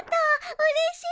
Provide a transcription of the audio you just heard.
うれしい。